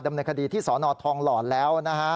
ดำเนคดีที่สอนอดทองหล่อนแล้ว